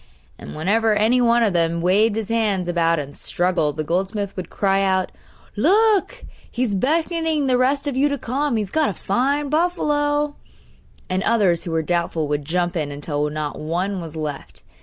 And whenever any one of them waved his hands about and struggled the goldsmith would cry out: 'Look! he's beckoning the rest of you to come; he's got a fine buffalo!' And others who were doubtful would jump in, until not one was left.